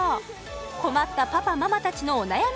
困ったパパ・ママたちのお悩み